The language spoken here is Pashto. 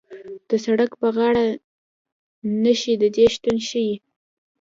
د سړک په غاړه نښې د دې شتون ښیي